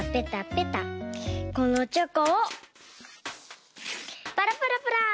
このチョコをパラパラパラ！